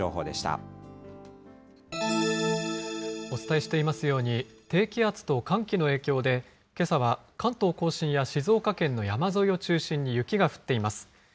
お伝えしていますように、低気圧と寒気の影響で、けさは関東甲信や静岡県の山沿いを中心に、雪が降っています。